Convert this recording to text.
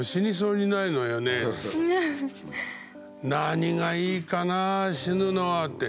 「何がいいかな？死ぬのは」って。